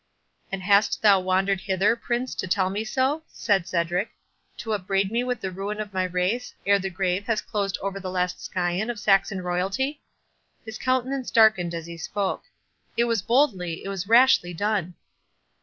"And hast thou wandered hither, Prince, to tell me so?" said Cedric—"To upbraid me with the ruin of my race, ere the grave has closed o'er the last scion of Saxon royalty?"—His countenance darkened as he spoke.—"It was boldly—it was rashly done!"